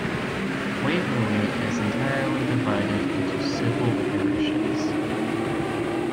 Waverley is entirely divided into civil parishes.